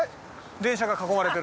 電車に囲まれてる？